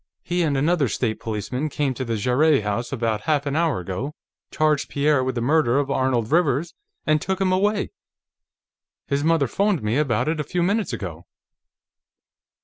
"He and another State Policeman came to the Jarrett house about half an hour ago, charged Pierre with the murder of Arnold Rivers, and took him away. His mother phoned me about it a few minutes ago."